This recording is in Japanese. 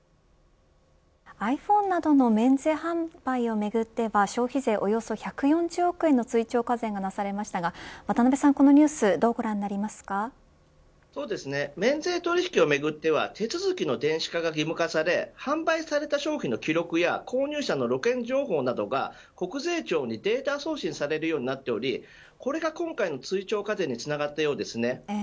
ｉＰｈｏｎｅなどの免税販売をめぐっては消費税およそ１４０億円の追徴課税がなされましたが渡辺さん、このニュース免税取引をめぐっては手続きの電子化が義務化され販売された商品の記録や購入者の旅券情報などが国税庁にデータ送信されるようになっておりこれが今回の追徴課税につながったようです。